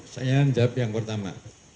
saya yang jawab yang pertama